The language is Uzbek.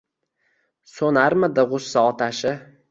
So’narmidi g’ussa otashi —